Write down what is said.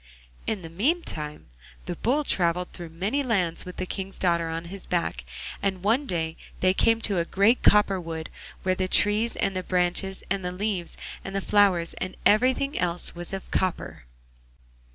In the meantime the Bull travelled through many lands with the King's daughter on his back, and one day they came to a great copper wood, where the trees, and the branches, and the leaves, and the flowers, and everything else was of copper.